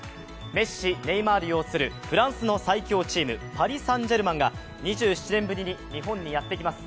メッシ、ネイマール要するフランスの最強チーム、パリ・サンジェルマンが２７年ぶりに日本にやってきます。